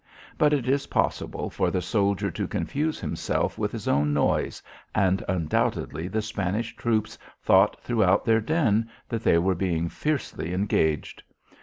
But it is possible for the soldier to confuse himself with his own noise and undoubtedly the Spanish troops thought throughout their din that they were being fiercely engaged.